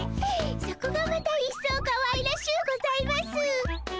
そこがまたいっそうかわいらしゅうございます。